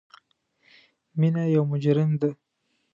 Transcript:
مینه یو مجرم ده